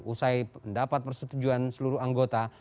usai mendapat persetujuan seluruh anggota